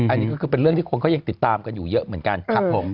อันนี้เป็นเรื่องที่คนเค้ายังติดตามกันอยู่เยอะเหมือนกัน